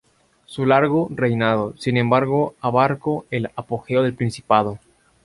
Su largo reinado, sin embargo, abarcó el apogeo del principado.